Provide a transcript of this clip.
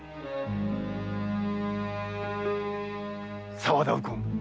沢田右近。